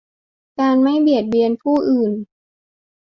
การไม่เบียดเบียนผู้อื่น